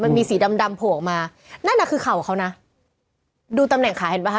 สีดำดำโผล่ออกมานั่นน่ะคือเข่าเขานะดูตำแหน่งขาเห็นป่ะค